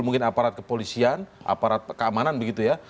mungkin aparat kepolisian aparat keamanan begitu ya